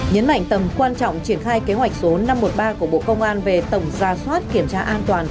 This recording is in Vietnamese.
nhấn mạnh tầm quan trọng triển khai kế hoạch số năm trăm một mươi ba của bộ công an về tổng ra soát kiểm tra an toàn